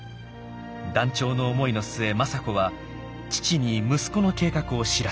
断腸の思いの末政子は父に息子の計画を知らせます。